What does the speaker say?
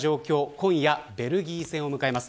今夜、ベルギー戦を迎えます。